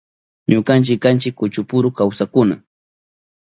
Ñukanchi kanchi kuchupuru kawsakkuna.